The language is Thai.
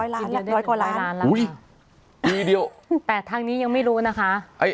หกร้อยล้านล่ะหกร้อยกว่าร้านอุ้ยปีเดียวแต่ทางนี้ยังไม่รู้นะคะ